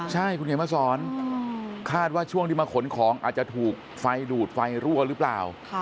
ใช่คุณเขียนมาสอนคาดว่าช่วงที่มาขนของอาจจะถูกไฟดูดไฟรั่วหรือเปล่า